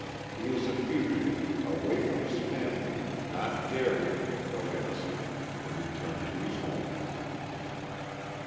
He is a fugitive, away from his family, not daring, though innocent, to return to his home.